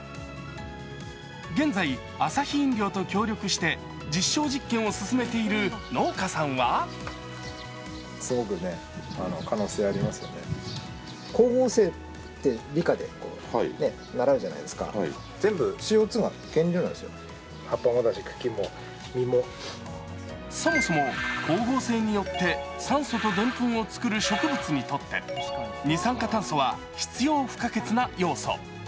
現在アサヒ飲料と協力して実証実験を進めている農家さんはそもそも光合成によって酸素とでんぷんを作る植物にとって二酸化炭素は必要不可欠な要素。